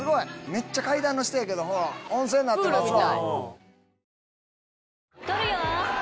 めっちゃ階段の下やけど温泉なってますわ。